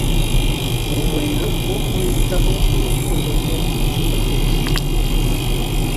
mu muriro wo kumwitaho urukundo rwe mucyumba cyo hejuru